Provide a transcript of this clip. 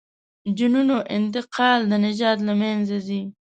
جینونو انتقال د نژاد له منځه ځي.